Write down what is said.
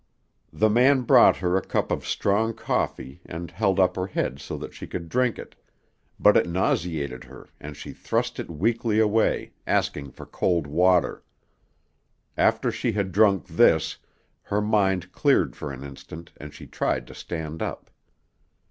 The man brought her a cup of strong coffee and held up her head so that she could drink it, but it nauseated her and she thrust it weakly away, asking for cold water. After she had drunk this, her mind cleared for an instant and she tried to stand up.